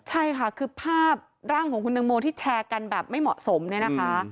ใช่ค่ะคือภาพร่างของคุณตังโมที่แชร์กันแบบไม่เหมาะสมเนี่ยนะคะ